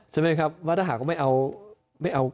ใช่ไหมครับว่าถ้าหากไม่เอา